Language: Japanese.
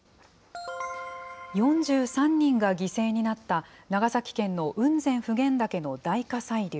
４３人が犠牲になった、長崎県の雲仙・普賢岳の大火砕流。